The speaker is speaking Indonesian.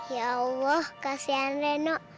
ya allah kasihan reno